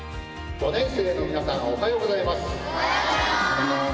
５年生の皆さんおはようございます。